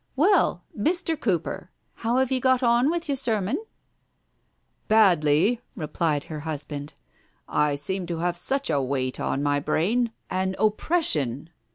Well, Mr. Cooper, how have ye got on with your sermon ?"" Badly !" replied her husband. " I seem tp have such a weight on my brain — an oppression